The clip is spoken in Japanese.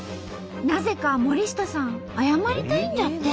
なぜか森下さん謝りたいんだって。